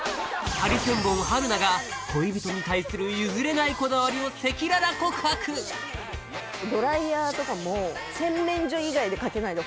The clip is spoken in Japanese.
ハリセンボン春菜が恋人に対する譲れないこだわりを赤裸々告白さらに